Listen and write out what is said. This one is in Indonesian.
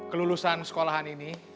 kelulusan sekolahan ini